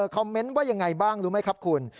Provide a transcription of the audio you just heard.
คอมเมนต์ว่ายังไงบ้างรู้ไหมครับคุณ